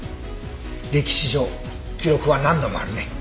歴史上記録は何度もあるね。